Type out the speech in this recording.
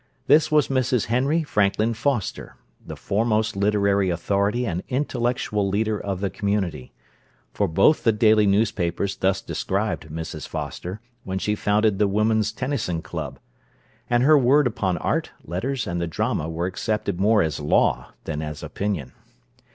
This was Mrs. Henry Franklin Foster, the foremost literary authority and intellectual leader of the community— for both the daily newspapers thus described Mrs. Foster when she founded the Women's Tennyson Club; and her word upon art, letters, and the drama was accepted more as law than as opinion.